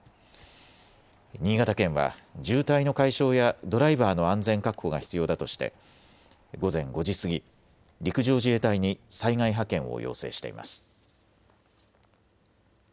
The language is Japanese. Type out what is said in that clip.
新潟県は渋滞の解消やドライバーの安全確保が必要だとして午前５時過ぎ、陸上自衛隊に災害派遣を要請しています。